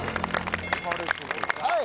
はい！